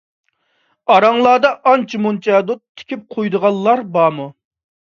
ئاراڭلاردا ئانچە-مۇنچە دو تىكىپ قويىدىغانلار بارمۇ؟